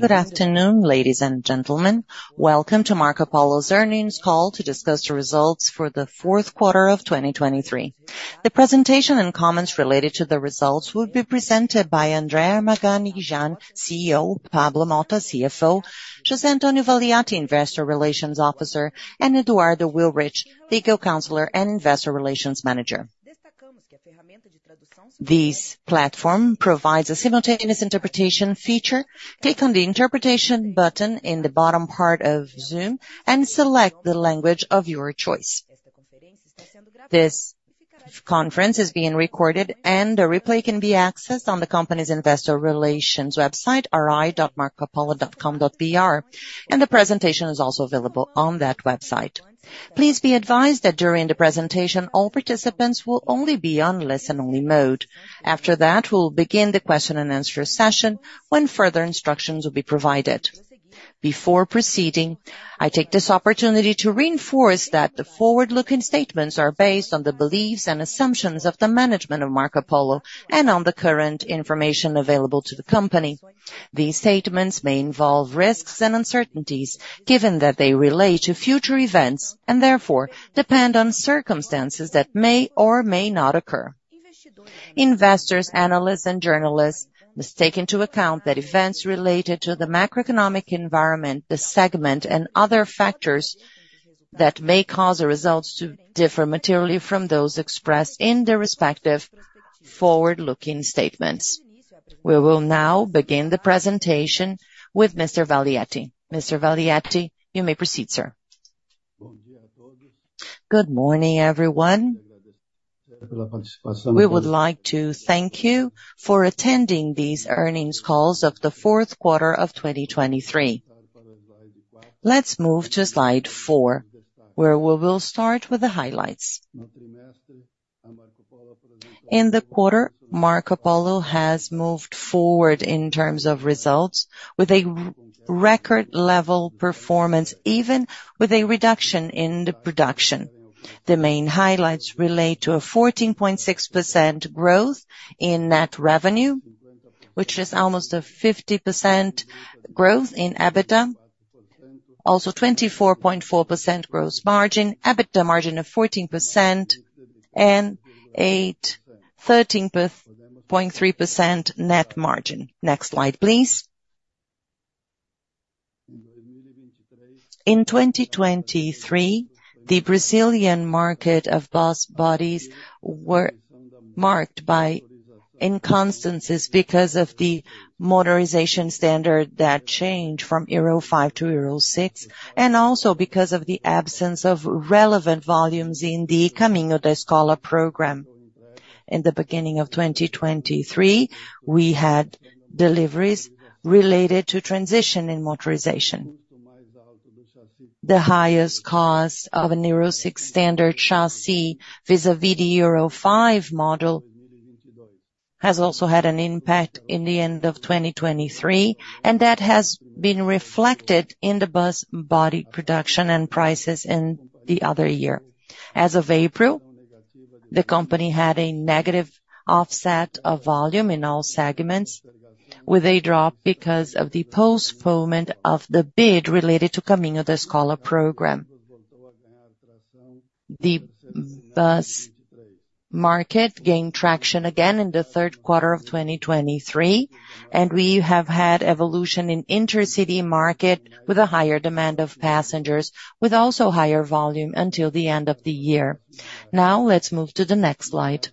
Good afternoon, ladies and gentlemen. Welcome to Marcopolo's earnings call to discuss the results for the fourth quarter of 2023. The presentation and comments related to the results will be presented by André Armaganijan, CEO; Pablo Motta, CFO; José Antonio Valiati, Investor Relations Officer; and Eduardo Willrich, Legal Counselor and Investor Relations Manager. This platform provides a simultaneous interpretation feature. Click on the "Interpretation" button in the bottom part of Zoom and select the language of your choice. This conference is being recorded, and a replay can be accessed on the company's Investor Relations website, ri.marcopolo.com.br, and the presentation is also available on that website. Please be advised that during the presentation all participants will only be on listen-only mode. After that, we will begin the question-and-answer session, when further instructions will be provided. Before proceeding, I take this opportunity to reinforce that the forward-looking statements are based on the beliefs and assumptions of the management of Marcopolo and on the current information available to the company. These statements may involve risks and uncertainties, given that they relate to future events and therefore depend on circumstances that may or may not occur. Investors, analysts, and journalists must take into account that events related to the macroeconomic environment, the segment, and other factors that may cause the results to differ materially from those expressed in their respective forward-looking statements. We will now begin the presentation with Mr. Valiati. Mr. Valiati, you may proceed, sir. Good morning, everyone. We would like to thank you for attending these earnings calls of the fourth quarter of 2023. Let's move to slide four, where we will start with the highlights. In the quarter, Marcopolo has moved forward in terms of results, with a record-level performance, even with a reduction in the production. The main highlights relate to a 14.6% growth in net revenue, which is almost a 50% growth in EBITDA, also 24.4% gross margin, EBITDA margin of 14%, and a 13.3% net margin. Next slide, please. In 2023, the Brazilian market of bus bodies were marked by inconsistencies because of the modernization standard that changed from Euro 5 to Euro 6, and also because of the absence of relevant volumes in the Caminho da Escola program. In the beginning of 2023, we had deliveries related to transition in motorization. The highest cost of an Euro 6 standard chassis vis-à-vis the Euro 5 model has also had an impact in the end of 2023, and that has been reflected in the bus body production and prices in the other year. As of April, the company had a negative offset of volume in all segments, with a drop because of the postponement of the bid related to Caminho da Escola program. The bus market gained traction again in the third quarter of 2023, and we have had evolution in the intercity market, with a higher demand of passengers, with also higher volume until the end of the year. Now, let's move to the next slide.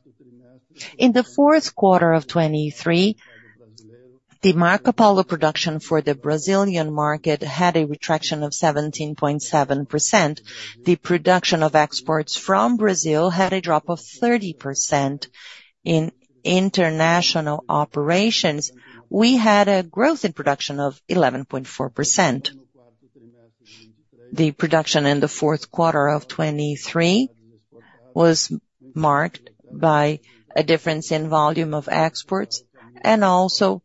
In the fourth quarter of 2023, the Marcopolo production for the Brazilian market had a contraction of 17.7%. The production of exports from Brazil had a drop of 30%. In international operations, we had a growth in production of 11.4%. The production in the fourth quarter of 2023 was marked by a difference in volume of exports, and also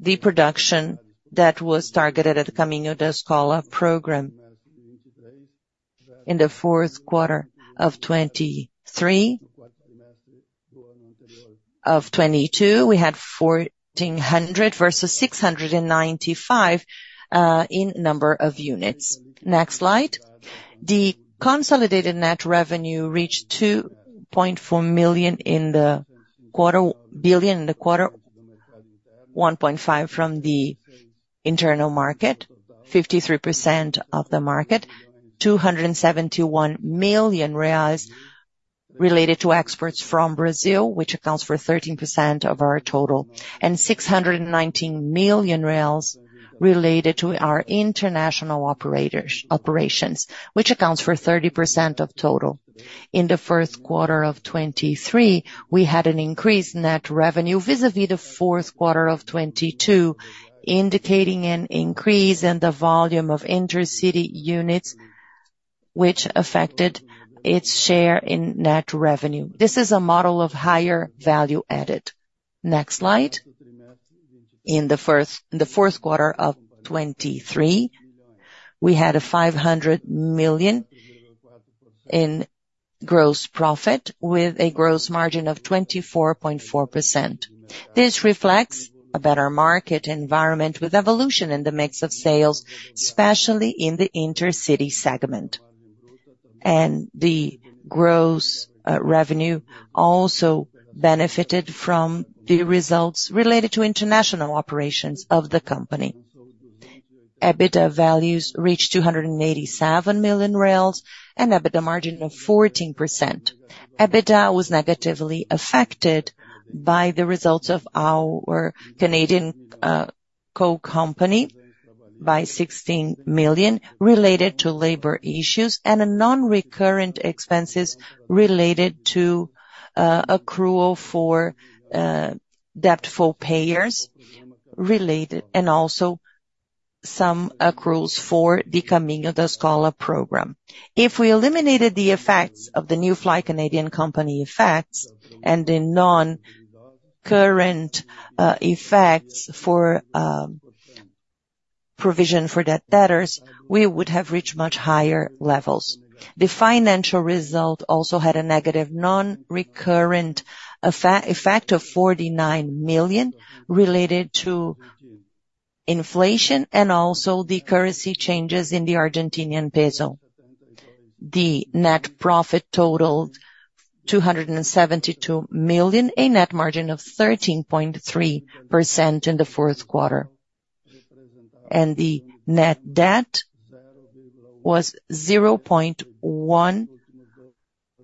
the production that was targeted at the Caminho da Escola program. In the fourth quarter of 2023, we had 1,400 versus 695 in number of units. Next slide. The consolidated net revenue reached 2.4 billion in the quarter: 1.5 billion from the internal market, 53% of the market, 271 million reais related to exports from Brazil, which accounts for 13% of our total, and 619 million related to our international operations, which accounts for 30% of total. In the first quarter of 2023, we had an increase in net revenue vis-à-vis the fourth quarter of 2022, indicating an increase in the volume of intercity units, which affected its share in net revenue. This is a model of higher value added. Next slide. In the fourth quarter of 2023, we had 500 million in gross profit, with a gross margin of 24.4%. This reflects a better market environment with evolution in the mix of sales, especially in the intercity segment. The gross revenue also benefited from the results related to international operations of the company. EBITDA values reached 287 million and an EBITDA margin of 14%. EBITDA was negatively affected by the results of our Canadian co-company by 16 million, related to labor issues and non-recurring expenses related to accrual for doubtful payers, and also some accruals for the Caminho da Escola program. If we eliminated the effects of the New Flyer Canadian company effects and the non-recurring effects for provision for doubtful debtors, we would have reached much higher levels. The financial result also had a negative non-recurring effect of 49 million, related to inflation and also the currency changes in the Argentine peso. The net profit totaled 272 million, a net margin of 13.3% in the fourth quarter. The net debt was 0.1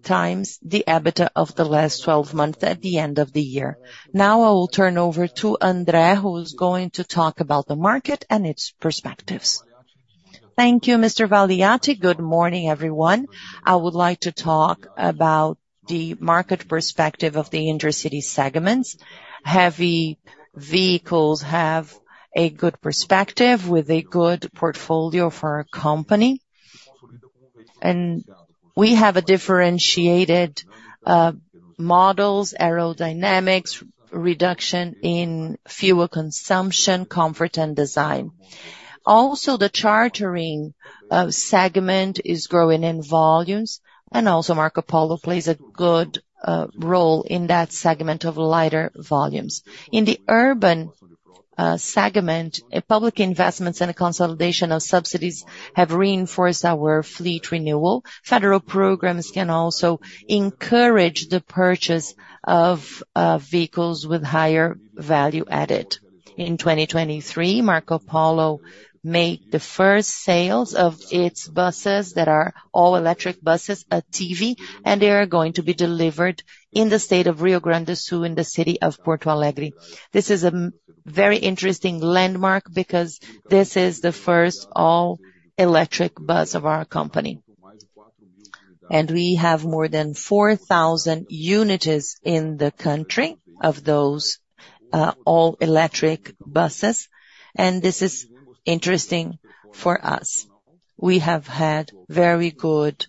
times the EBITDA of the last 12 months at the end of the year. Now, I will turn over to André, who is going to talk about the market and its perspectives. Thank you, Mr. Valiati. Good morning, everyone. I would like to talk about the market perspective of the intercity segments. Heavy vehicles have a good perspective, with a good portfolio for a company. And we have differentiated models, aerodynamics, reduction in fuel consumption, comfort, and design. Also, the chartering segment is growing in volumes, and also Marcopolo plays a good role in that segment of lighter volumes. In the urban segment, public investments and a consolidation of subsidies have reinforced our fleet renewal. Federal programs can also encourage the purchase of vehicles with higher value added. In 2023, Marcopolo made the first sales of its buses, that are all-electric buses, an Attivi, and they are going to be delivered in the state of Rio Grande do Sul, in the city of Porto Alegre. This is a very interesting landmark because this is the first all-electric bus of our company. And we have more than 4,000 units in the country of those all-electric buses, and this is interesting for us. We have had very good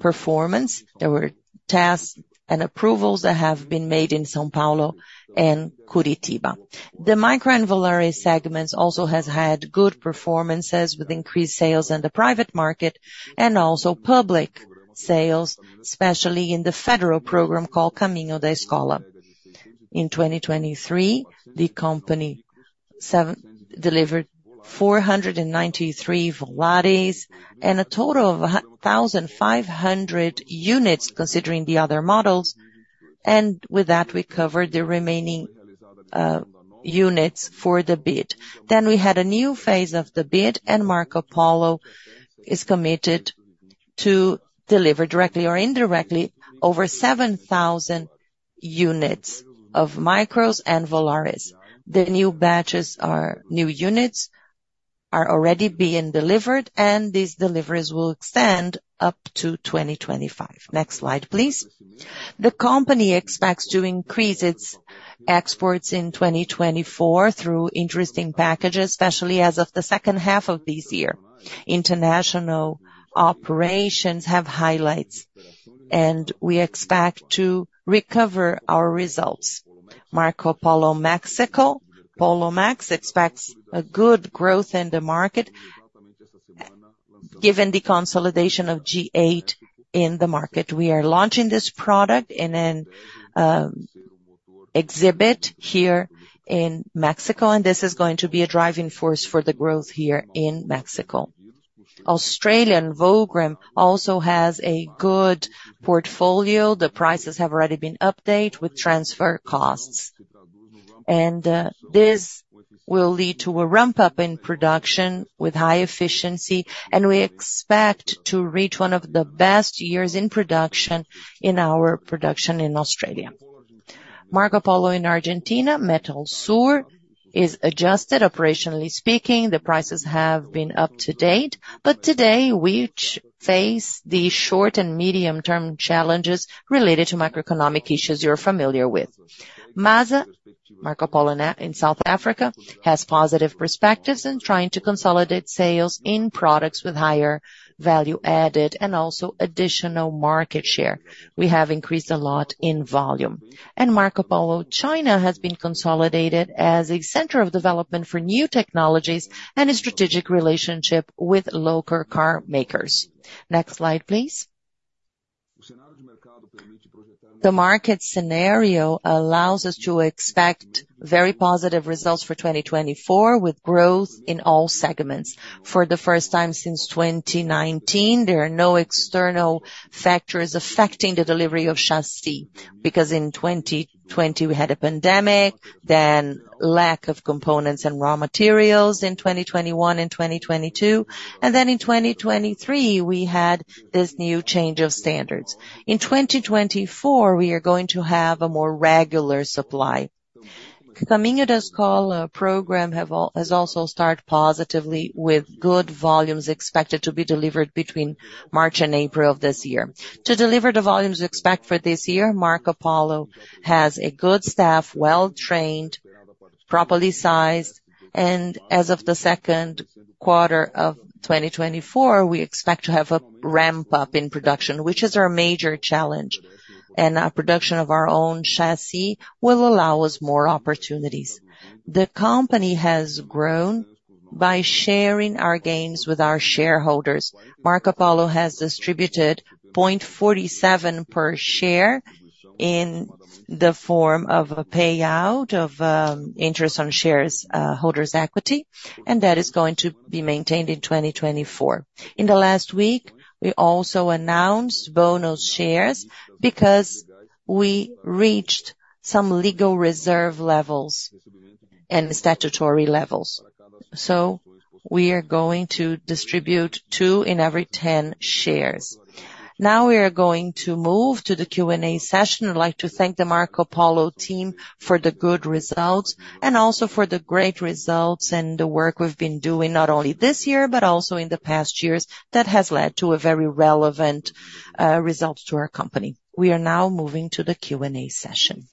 performance. There were tests and approvals that have been made in São Paulo and Curitiba. The micro- and Volare segments also have had good performances, with increased sales in the private market and also public sales, especially in the federal program called Caminho da Escola. In 2023, the company delivered 493 Volare and a total of 1,500 units, considering the other models, and with that we covered the remaining units for the bid. Then we had a new phase of the bid, and Marcopolo is committed to deliver directly or indirectly over 7,000 units of micros and Volare. The new batches of new units are already being delivered, and these deliveries will extend up to 2025. Next slide, please. The company expects to increase its exports in 2024 through interesting packages, especially as of the second half of this year. International operations have highlights, and we expect to recover our results. Marcopolo México expects a good growth in the market, given the consolidation of G8 in the market. We are launching this product in an exhibit here in México, and this is going to be a driving force for the growth here in México. Australian Volgren also has a good portfolio. The prices have already been updated with transfer costs. This will lead to a ramp-up in production with high efficiency, and we expect to reach one of the best years in production in our production in Australia. Marcopolo in Argentina, Metalsur, is adjusted, operationally speaking. The prices have been up to date, but today we face the short and medium-term challenges related to macroeconomic issues you're familiar with. MASA, Marcopolo in South Africa, has positive perspectives and is trying to consolidate sales in products with higher value added and also additional market share. We have increased a lot in volume. Marcopolo China has been consolidated as a center of development for new technologies and a strategic relationship with local car makers. Next slide, please. The market scenario allows us to expect very positive results for 2024, with growth in all segments. For the first time since 2019, there are no external factors affecting the delivery of chassis, because in 2020 we had a pandemic, then lack of components and raw materials in 2021 and 2022, and then in 2023 we had this new change of standards. In 2024, we are going to have a more regular supply. Caminho da Escola program has also started positively, with good volumes expected to be delivered between March and April of this year. To deliver the volumes we expect for this year, Marcopolo has a good staff, well-trained, properly sized, and as of the second quarter of 2024, we expect to have a ramp-up in production, which is our major challenge, and our production of our own chassis will allow us more opportunities. The company has grown by sharing our gains with our shareholders. Marcopolo has distributed 0.47 per share in the form of a payout of interest on shareholders' equity, and that is going to be maintained in 2024. In the last week, we also announced bonus shares because we reached some legal reserve levels and statutory levels. We are going to distribute 2 in every 10 shares. Now we are going to move to the Q&A session. I'd like to thank the Marcopolo team for the good results, and also for the great results and the work we've been doing, not only this year but also in the past years, that has led to very relevant results to our company. We are now moving to the Q&A session.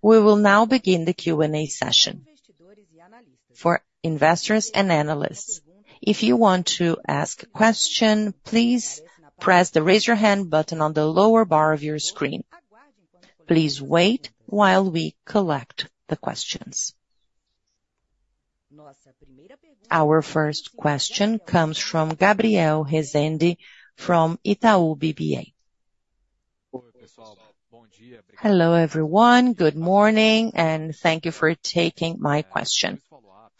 We will now begin the Q&A session for investors and analysts. If you want to ask a question, please press the raise your hand button on the lower bar of your screen. Please wait while we collect the questions. Our first question comes from Gabriel Rezende from Itaú BBA. Hello everyone, good morning, and thank you for taking my question.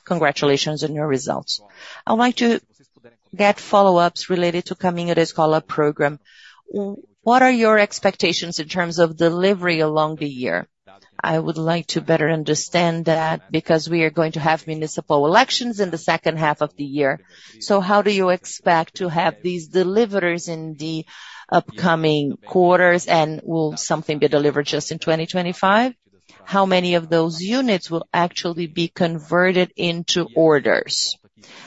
Congratulations on your results. I'd like to get follow-ups related to Caminho da Escola program. What are your expectations in terms of delivery along the year? I would like to better understand that, because we are going to have municipal elections in the second half of the year, so how do you expect to have these deliveries in the upcoming quarters, and will something be delivered just in 2025? How many of those units will actually be converted into orders?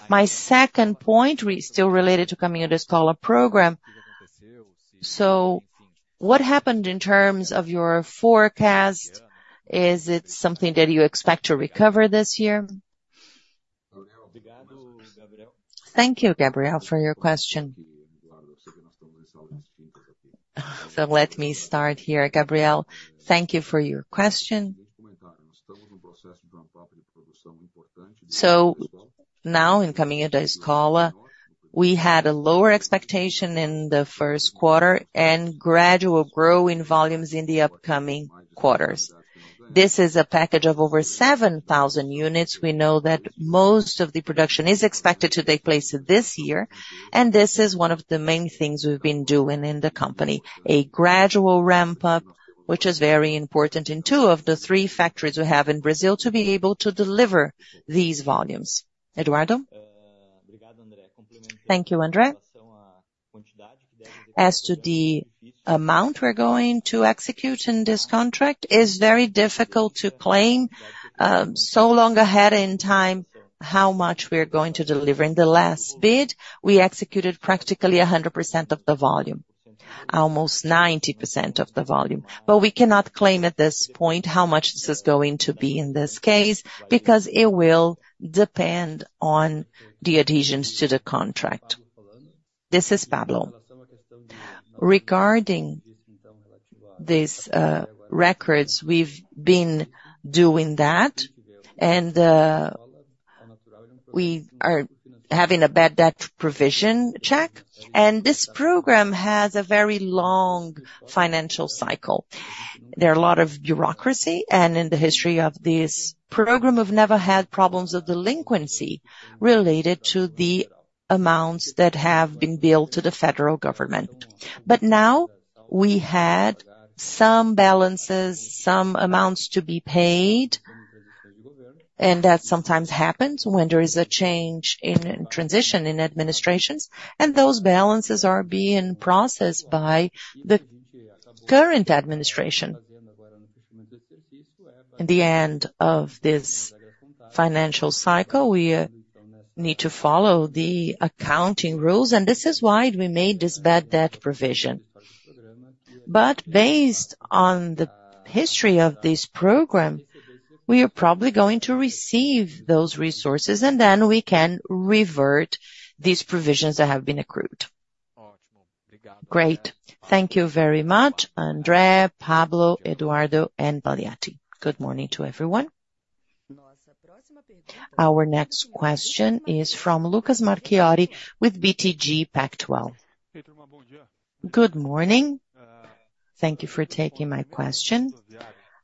My second point, still related to Caminho da Escola program. So what happened in terms of your forecast? Is it something that you expect to recover this year? Thank you, Gabriel, for your question. So let me start here. Gabriel, thank you for your question. So now, in Caminho da Escola, we had a lower expectation in the first quarter and gradual growth in volumes in the upcoming quarters. This is a package of over 7,000 units. We know that most of the production is expected to take place this year, and this is one of the main things we've been doing in the company: a gradual ramp-up, which is very important in two of the three factories we have in Brazil to be able to deliver these volumes. Eduardo? Thank you, André. As to the amount we're going to execute in this contract, it is very difficult to claim so long ahead in time how much we're going to deliver. In the last bid, we executed practically 100% of the volume, almost 90% of the volume, but we cannot claim at this point how much this is going to be in this case, because it will depend on the adhesions to the contract. This is Pablo. Regarding these records, we've been doing that, and we are having a bad debt provision check, and this program has a very long financial cycle. There are a lot of bureaucracy, and in the history of this program, we've never had problems of delinquency related to the amounts that have been billed to the federal government. But now we had some balances, some amounts to be paid, and that sometimes happens when there is a change in transition in administrations, and those balances are being processed by the current administration. In the end of this financial cycle, we need to follow the accounting rules, and this is why we made this bad debt provision. But based on the history of this program, we are probably going to receive those resources, and then we can revert these provisions that have been accrued. Great. Thank you very much, André, Pablo, Eduardo, and Valiati. Good morning to everyone. Our next question is from Lucas Marquiori with BTG Pactual. Good morning. Thank you for taking my question.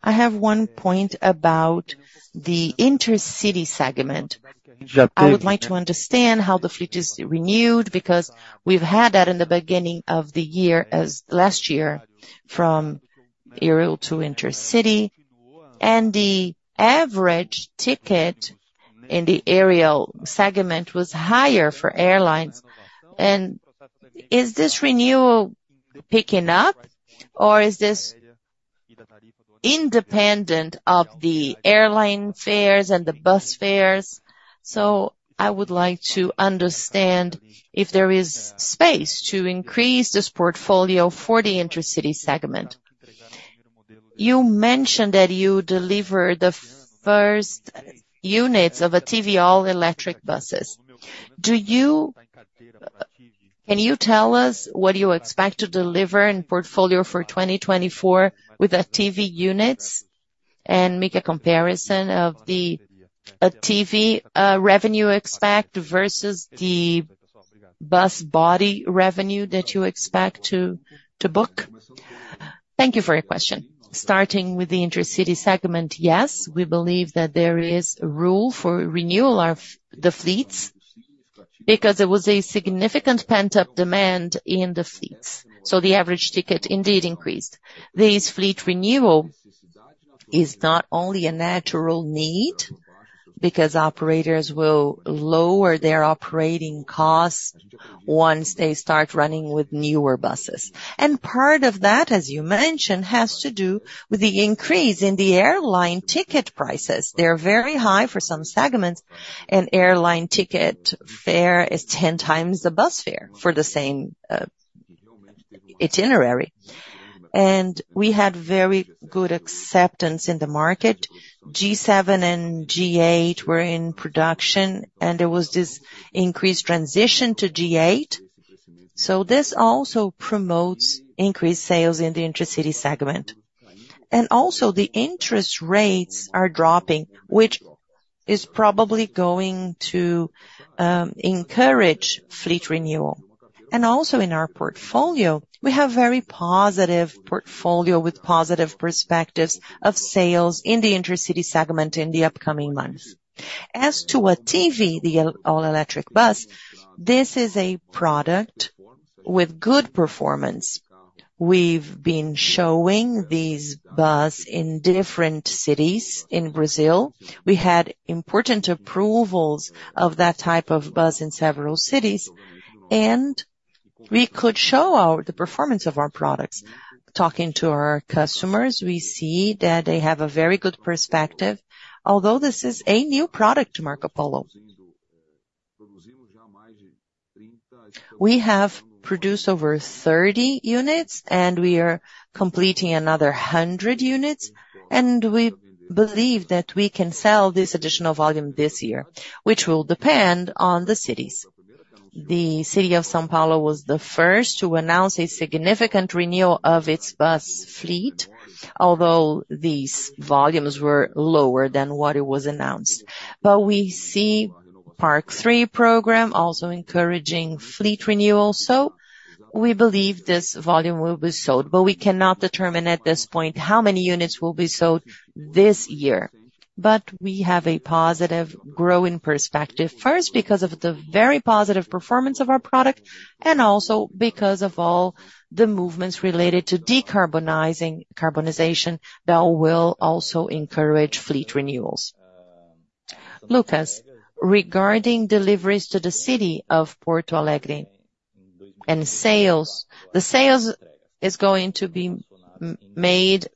I have one point about the intercity segment. I would like to understand how the fleet is renewed, because we've had that in the beginning of the year last year, from aerial to intercity, and the average ticket in the aerial segment was higher for airlines. Is this renewal picking up, or is this independent of the airline fares and the bus fares? So I would like to understand if there is space to increase this portfolio for the intercity segment. You mentioned that you deliver the first units of Attivi all-electric buses. Can you tell us what you expect to deliver in portfolio for 2024 with Attivi units, and make a comparison of the Attivi revenue expected versus the bus body revenue that you expect to book? Thank you for your question. Starting with the intercity segment, yes, we believe that there is a rule for renewal of the fleets, because there was a significant pent-up demand in the fleets, so the average ticket indeed increased. This fleet renewal is not only a natural need, because operators will lower their operating costs once they start running with newer buses. And part of that, as you mentioned, has to do with the increase in the airline ticket prices. They're very high for some segments, and airline ticket fare is 10 times the bus fare for the same itinerary. We had very good acceptance in the market. G7 and G8 were in production, and there was this increased transition to G8, so this also promotes increased sales in the intercity segment. The interest rates are dropping, which is probably going to encourage fleet renewal. In our portfolio, we have a very positive portfolio with positive perspectives of sales in the intercity segment in the upcoming months. As to Attivi, the all-electric bus, this is a product with good performance. We've been showing this bus in different cities in Brazil. We had important approvals of that type of bus in several cities, and we could show the performance of our products. Talking to our customers, we see that they have a very good perspective, although this is a new product to Marcopolo. We have produced over 30 units, and we are completing another 100 units, and we believe that we can sell this additional volume this year, which will depend on the cities. The city of São Paulo was the first to announce a significant renewal of its bus fleet, although these volumes were lower than what it was announced. We see the PAC 3 program also encouraging fleet renewal, so we believe this volume will be sold, but we cannot determine at this point how many units will be sold this year. We have a positive growing perspective, first because of the very positive performance of our product, and also because of all the movements related to decarbonization that will also encourage fleet renewals. Lucas, regarding deliveries to the city of Porto Alegre and sales, the sales are going to be made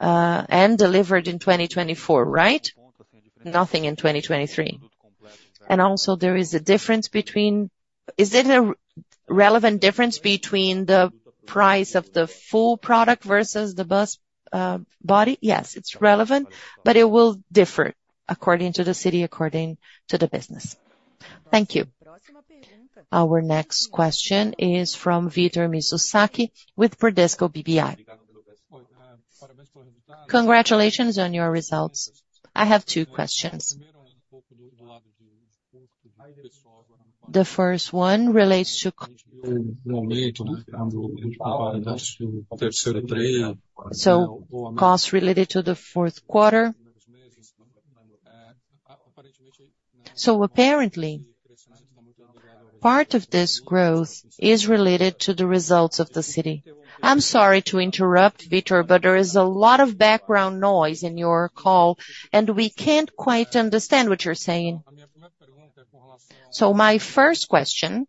and delivered in 2024, right? Nothing in 2023. And also, there is a difference between—is it a relevant difference between the price of the full product versus the bus body? Yes, it's relevant, but it will differ according to the city, according to the business. Thank you. Our next question is from Victor Mizusaki with Bradesco BBI. Congratulations on your results. I have two questions. The first one relates to costs related to the fourth quarter. So apparently, part of this growth is related to the results of the city. I'm sorry to interrupt, Vitor, but there is a lot of background noise in your call, and we can't quite understand what you're saying. So my first question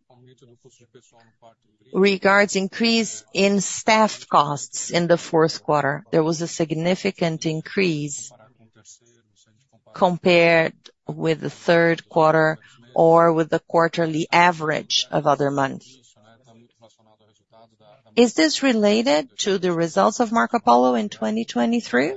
regards the increase in staff costs in the fourth quarter. There was a significant increase compared with the third quarter or with the quarterly average of other months. Is this related to the results of Marcopolo in 2023?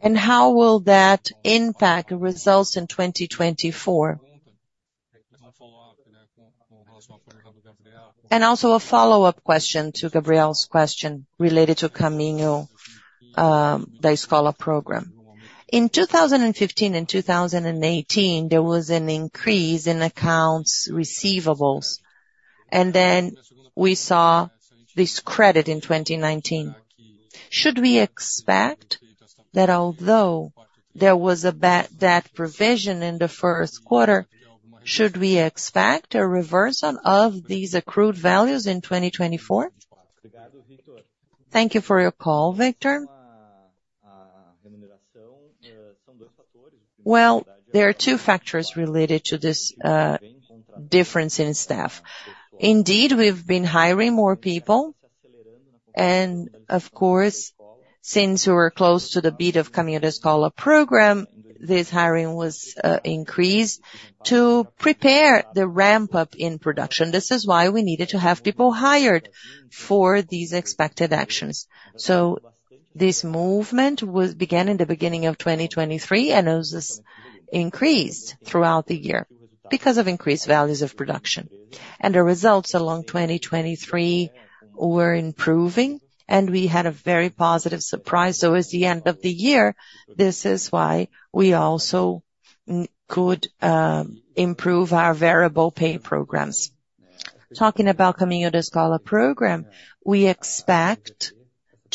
And how will that impact the results in 2024? And also a follow-up question to Gabriel's question related to Caminho da Escola program. In 2015 and 2018, there was an increase in accounts receivables, and then we saw this credit in 2019. Should we expect that although there was a bad debt provision in the first quarter, should we expect a reversal of these accrued values in 2024? Thank you for your call, Vitor. Well, there are two factors related to this difference in staff. Indeed, we've been hiring more people, and of course, since we were close to the beat of Caminho da Escola program, this hiring was increased to prepare the ramp-up in production. This is why we needed to have people hired for these expected actions. So this movement began in the beginning of 2023, and it was increased throughout the year because of increased values of production. The results along 2023 were improving, and we had a very positive surprise. So at the end of the year, this is why we also could improve our variable pay programs. Talking about Caminho da Escola program, we expect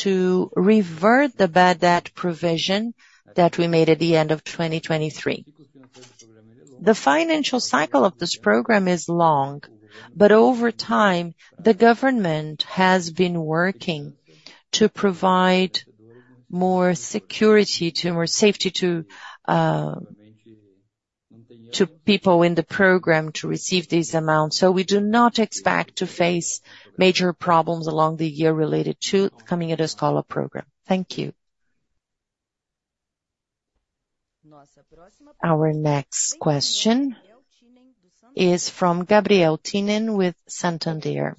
to revert the bad debt provision that we made at the end of 2023. The financial cycle of this program is long, but over time, the government has been working to provide more security to more safety to people in the program to receive these amounts. So we do not expect to face major problems along the year related to the Caminho da Escola program. Thank you. Our next question is from Gabriel Tinem with Santander.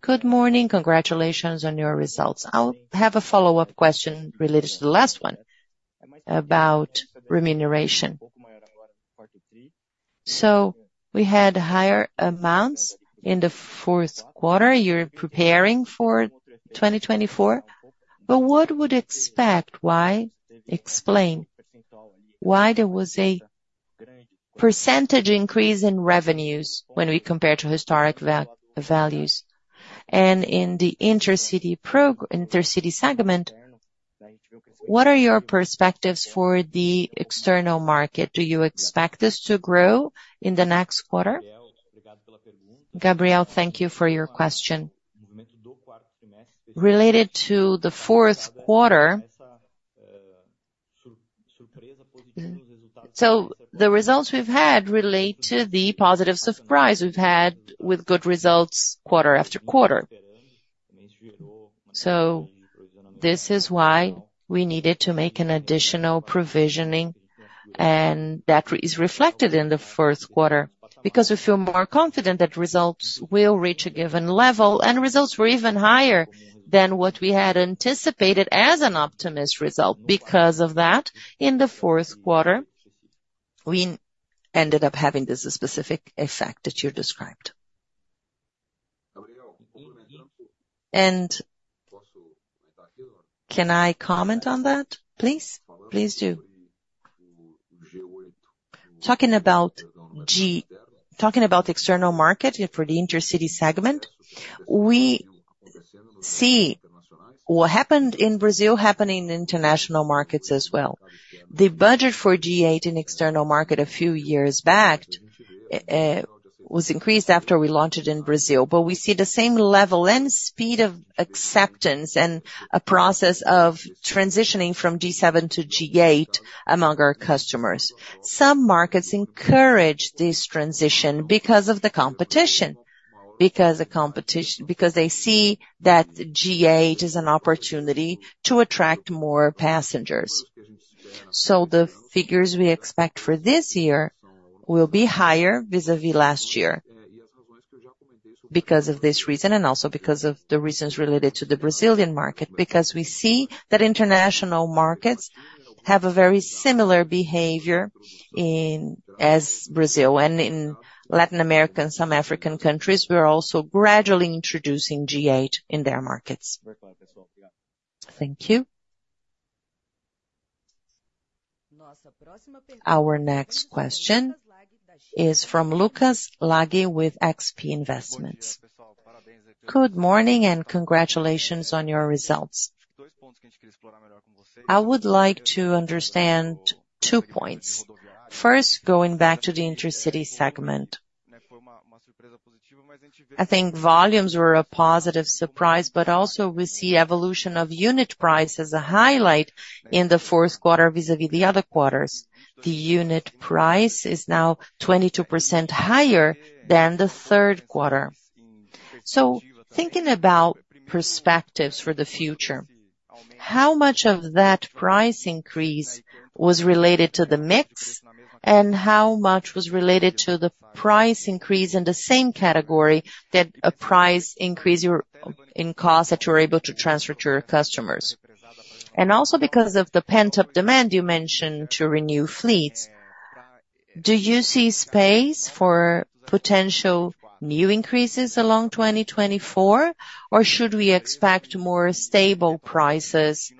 Good morning. Congratulations on your results. I'll have a follow-up question related to the last one about remuneration. So we had higher amounts in the fourth quarter. You're preparing for 2024, but what would you expect? Why? Explain. Why there was a percentage increase in revenues when we compare to historic values? And in the intercity segment, what are your perspectives for the external market? Do you expect this to grow in the next quarter? Gabriel, thank you for your question. Related to the fourth quarter, so the results we've had relate to the positive surprise we've had with good results quarter after quarter. This is why we needed to make an additional provisioning, and that is reflected in the fourth quarter, because we feel more confident that results will reach a given level, and results were even higher than what we had anticipated as an optimistic result. Because of that, in the fourth quarter, we ended up having this specific effect that you described. And can I comment on that, please? Please do. Talking about the external market for the intercity segment, we see what happened in Brazil happening in international markets as well. The budget for G8 in the external market a few years back was increased after we launched it in Brazil, but we see the same level and speed of acceptance and a process of transitioning from G7 to G8 among our customers. Some markets encourage this transition because of the competition, because they see that G8 is an opportunity to attract more passengers. The figures we expect for this year will be higher vis-à-vis last year because of this reason and also because of the reasons related to the Brazilian market, because we see that international markets have a very similar behavior as Brazil. In Latin America and some African countries, we are also gradually introducing G8 in their markets. Thank you. Our next question is from Lucas Laghi with XP Investments. Good morning and congratulations on your results. I would like to understand two points. First, going back to the intercity segment, I think volumes were a positive surprise, but also we see the evolution of unit prices as a highlight in the fourth quarter vis-à-vis the other quarters. The unit price is now 22% higher than the third quarter. So thinking about perspectives for the future, how much of that price increase was related to the mix, and how much was related to the price increase in the same category that a price increase in costs that you were able to transfer to your customers? And also because of the pent-up demand you mentioned to renew fleets, do you see space for potential new increases along 2024, or should we expect more stable prices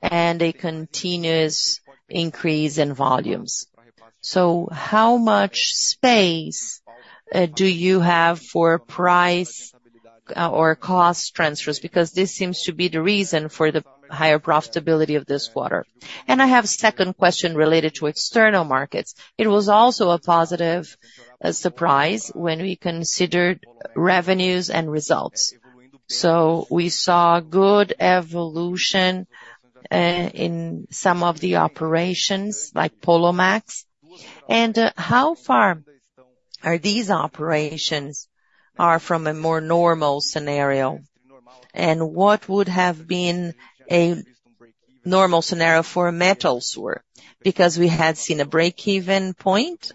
and a continuous increase in volumes? So how much space do you have for price or cost transfers? Because this seems to be the reason for the higher profitability of this quarter. And I have a second question related to external markets. It was also a positive surprise when we considered revenues and results. So we saw good evolution in some of the operations, like Polomex. And how far are these operations from a more normal scenario, and what would have been a normal scenario for Metalsur? Because we had seen a break-even point,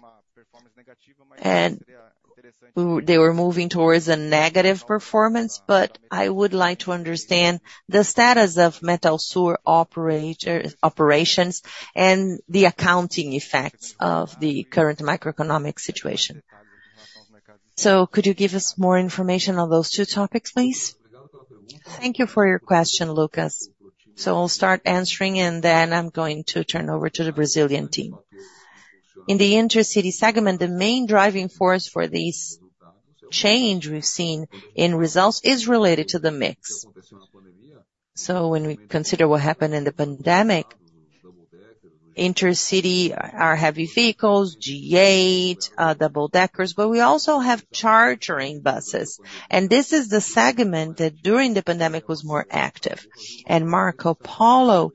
and they were moving towards a negative performance, but I would like to understand the status of Metalsur's operations and the accounting effects of the current macroeconomic situation. So could you give us more information on those two topics, please? Thank you for your question, Lucas. So I'll start answering, and then I'm going to turn over to the Brazilian team. In the intercity segment, the main driving force for this change we've seen in results is related to the mix. So when we consider what happened in the pandemic, intercity are heavy vehicles, G8, double-deckers, but we also have charging buses. This is the segment that during the pandemic was more active. Marcopolo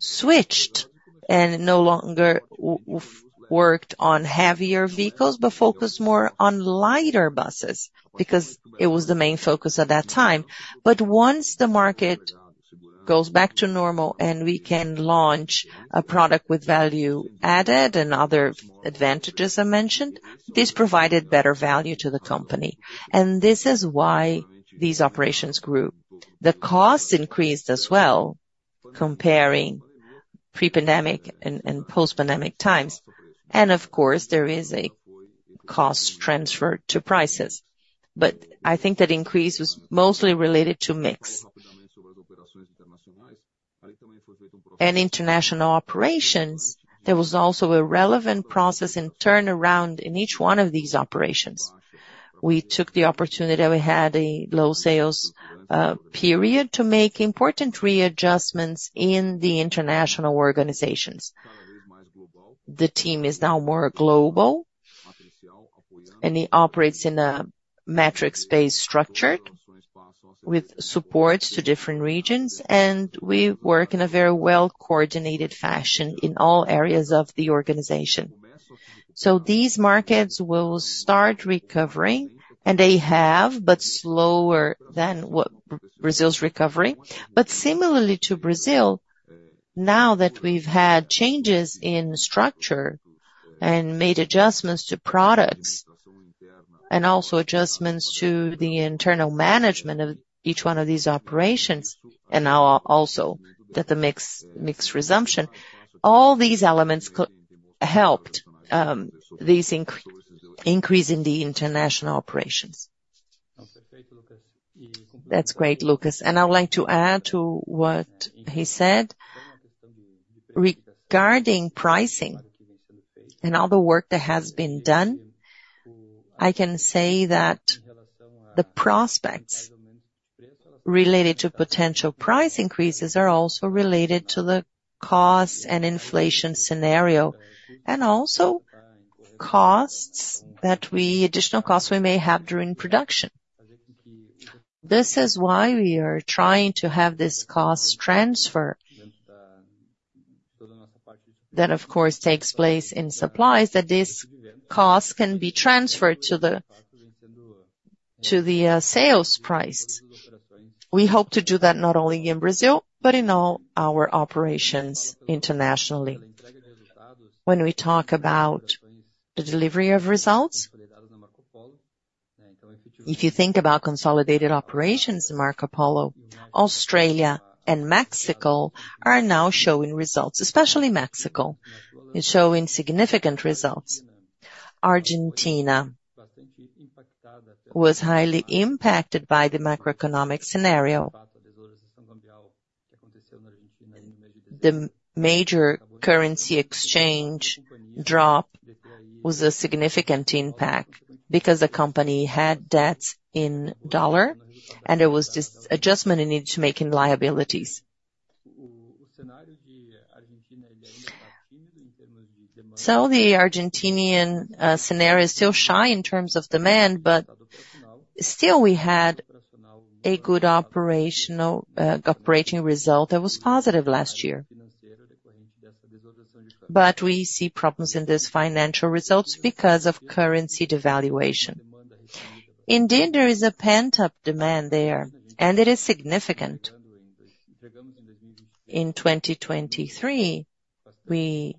switched and no longer worked on heavier vehicles, but focused more on lighter buses because it was the main focus at that time. Once the market goes back to normal and we can launch a product with value added and other advantages I mentioned, this provided better value to the company. This is why these operations grew. The costs increased as well comparing pre-pandemic and post-pandemic times. Of course, there is a cost transfer to prices. I think that increase was mostly related to mix. In international operations, there was also a relevant process in turnaround in each one of these operations. We took the opportunity that we had a low sales period to make important readjustments in the international organizations. The team is now more global, and it operates in a metric-based structure with supports to different regions, and we work in a very well-coordinated fashion in all areas of the organization. So these markets will start recovering, and they have, but slower than Brazil's recovery. But similarly to Brazil, now that we've had changes in structure and made adjustments to products and also adjustments to the internal management of each one of these operations, and now also the mixed resumption, all these elements helped this increase in the international operations. That's great, Lucas. And I would like to add to what he said. Regarding pricing and all the work that has been done, I can say that the prospects related to potential price increases are also related to the cost and inflation scenario, and also additional costs we may have during production. This is why we are trying to have this cost transfer that, of course, takes place in supplies, that this cost can be transferred to the sales price. We hope to do that not only in Brazil, but in all our operations internationally. When we talk about the delivery of results, if you think about consolidated operations in Marcopolo, Australia and Mexico are now showing results, especially Mexico. It's showing significant results. Argentina was highly impacted by the macroeconomic scenario. The major currency exchange drop was a significant impact because the company had debts in dollar, and there was this adjustment it needed to make in liabilities. So the Argentinian scenario is still shy in terms of demand, but still we had a good operating result that was positive last year. But we see problems in these financial results because of currency devaluation. Indeed, there is a pent-up demand there, and it is significant. In 2023, we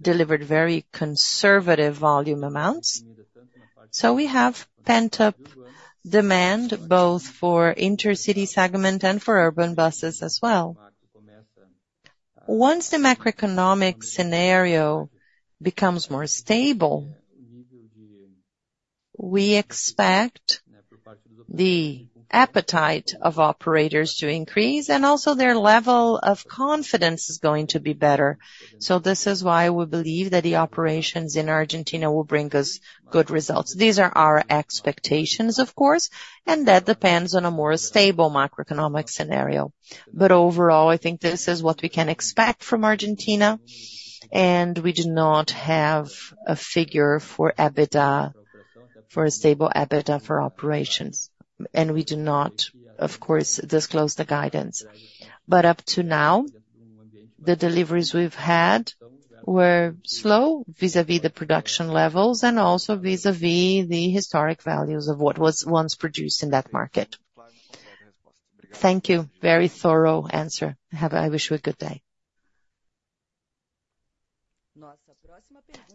delivered very conservative volume amounts. So we have pent-up demand both for intercity segment and for urban buses as well. Once the macroeconomic scenario becomes more stable, we expect the appetite of operators to increase, and also their level of confidence is going to be better. So this is why we believe that the operations in Argentina will bring us good results. These are our expectations, of course, and that depends on a more stable macroeconomic scenario. But overall, I think this is what we can expect from Argentina, and we do not have a figure for a stable EBITDA for operations. And we do not, of course, disclose the guidance. But up to now, the deliveries we've had were slow vis-à-vis the production levels and also vis-à-vis the historic values of what was once produced in that market. Thank you. Very thorough answer. I wish you a good day.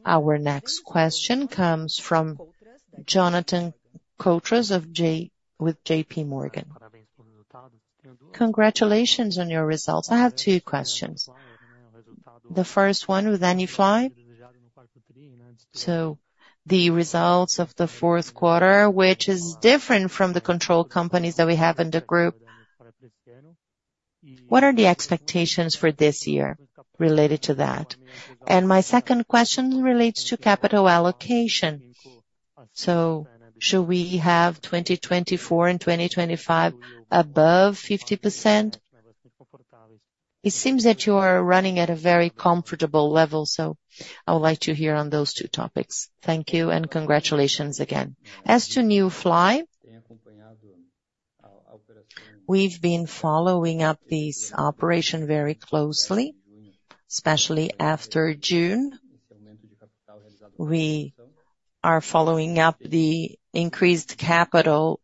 Our next question comes from Jonathan Koutras with JPMorgan. Congratulations on your results. I have two questions. The first one with New Flyer. So the results of the fourth quarter, which is different from the control companies that we have in the group, what are the expectations for this year related to that? And my second question relates to capital allocation. So should we have 2024 and 2025 above 50%? It seems that you are running at a very comfortable level, so I would like to hear on those two topics. Thank you and congratulations again. As to New Flyer. We've been following up this operation very closely, especially after June. We are following up the increased capital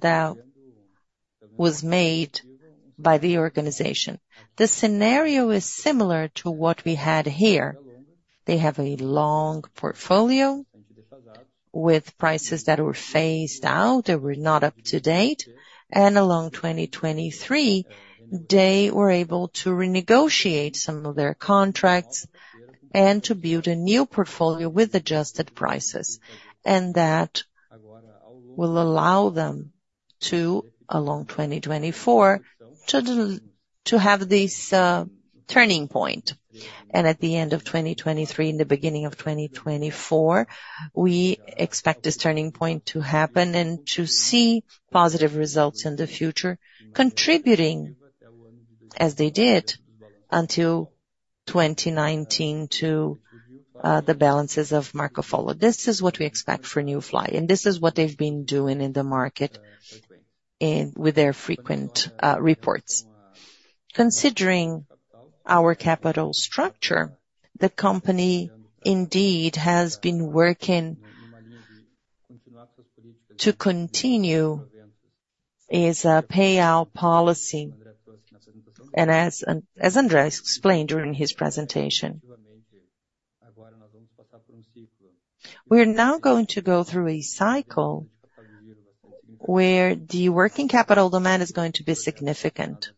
that was made by the organization. The scenario is similar to what we had here. They have a long portfolio with prices that were phased out. They were not up to date. Along 2023, they were able to renegotiate some of their contracts and to build a new portfolio with adjusted prices. That will allow them to, along 2024, to have this turning point. At the end of 2023, in the beginning of 2024, we expect this turning point to happen and to see positive results in the future, contributing as they did until 2019 to the balances of Marcopolo. This is what we expect for New Flyer. This is what they've been doing in the market with their frequent reports. Considering our capital structure, the company indeed has been working to continue its payout policy. As André explained during his presentation, we are now going to go through a cycle where the working capital demand is going to be significant.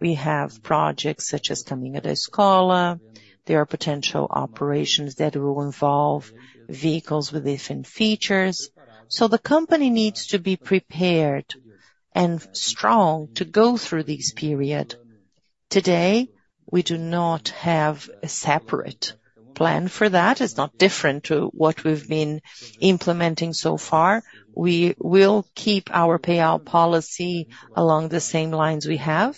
We have projects such as Caminho da Escola. There are potential operations that will involve vehicles with different features. The company needs to be prepared and strong to go through this period. Today, we do not have a separate plan for that. It's not different to what we've been implementing so far. We will keep our payout policy along the same lines we have.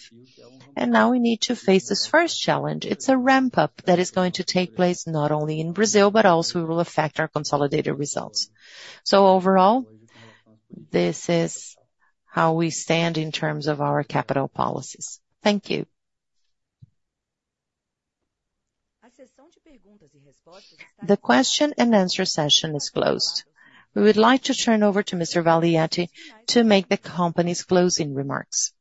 Now we need to face this first challenge. It's a ramp-up that is going to take place not only in Brazil, but also it will affect our consolidated results. Overall, this is how we stand in terms of our capital policies. Thank you. The question-and-answer session is closed. We would like to turn over to Mr. Valiati to make the company's closing remarks.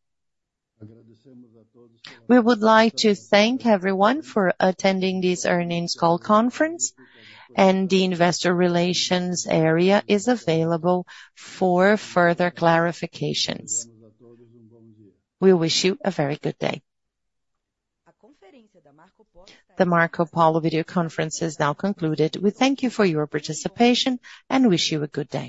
We would like to thank everyone for attending this earnings call conference, and the investor relations area is available for further clarifications. We wish you a very good day. The Marcopolo video conference is now concluded. We thank you for your participation and wish you a good day.